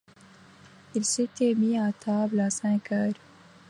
Il s’était mis à table à cinq heures.